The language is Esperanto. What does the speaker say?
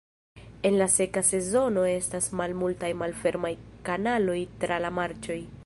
En la seka sezono estas malmultaj malfermaj kanaloj tra la marĉoj.